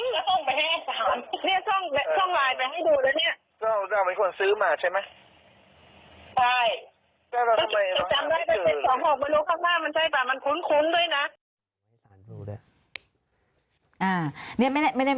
แล้วจะดูมันเป็นจริงหรือเปล่า